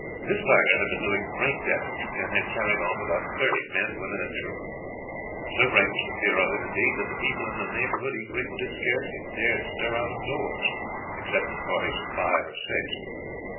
This tiger had been doing great damage, and had carried off about thirty men, women, and children. So great was the fear of him, indeed, that the people in the neighborhood he frequented scarcely dared stir out of doors, except in parties of five or six.